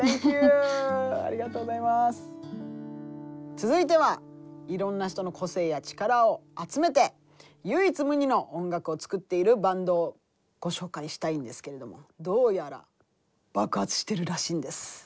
続いてはいろんな人の個性や力を集めて唯一無二の音楽を作っているバンドをご紹介したいんですけれどもどうやら爆発してるらしいんです。